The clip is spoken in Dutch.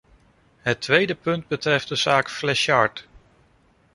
Het tweede punt betreft de zaak-Fléchard.